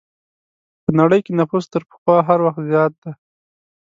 په نړۍ کې نفوس تر پخوا هر وخت زیات دی.